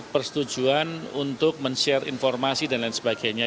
persetujuan untuk men share informasi dan lain sebagainya